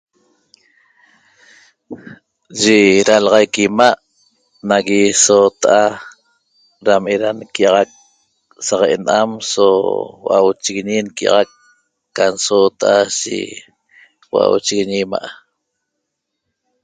Yi dalaxaic 'ima' nagui soota'a dam eda nquia'axac saq ena'am so hua'auchiguiñi nquia'axac can soota'a yi hua'auchiguiñi 'ima'